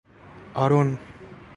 آرون